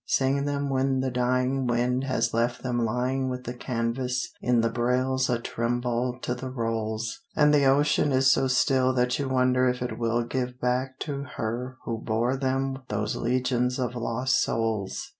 Sing them when the dying Wind has left them lying With the canvas in the brails a tremble to the rolls; And the ocean is so still That you wonder if it will Give back to her who bore them those legions of lost souls.